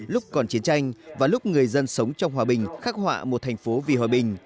lúc còn chiến tranh và lúc người dân sống trong hòa bình khắc họa một thành phố vì hòa bình